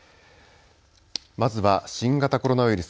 まずは新型コロナウイルス。